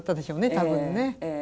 多分ね。